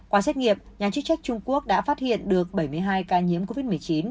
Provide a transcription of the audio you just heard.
qua xét nghiệp nhà chức trách trung quốc đã phát hiện được bảy mươi hai ca nhiễm covid một mươi chín